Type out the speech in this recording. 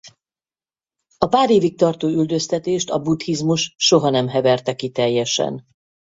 A pár évig tartó üldöztetést a buddhizmus soha nem heverte ki teljesen.